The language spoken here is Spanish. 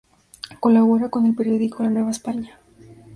Colabora con el periódico La Nueva España.